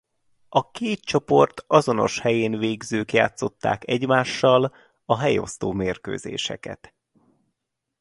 A két csoport azonos helyén végzők játszották egymással a helyosztó mérkőzéseket.